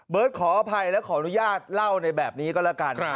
ขออภัยและขออนุญาตเล่าในแบบนี้ก็แล้วกัน